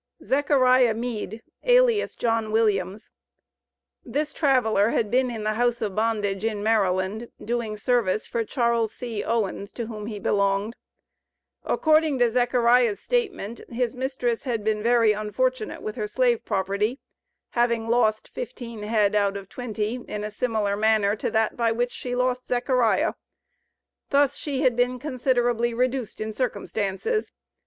ZECHARIAH MEAD, alias John Williams. This traveler had been in the house of bondage in Maryland, doing service for Charles C. Owens, to whom he belonged. According to Zechariah's statement, his mistress had been very unfortunate with her slave property, having lost fifteen head out of twenty in a similar manner to that by which she lost Zechariah. Thus she had been considerably reduced in circumstances.